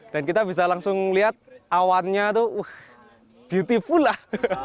dan kita bisa langsung lihat awannya tuh beautiful lah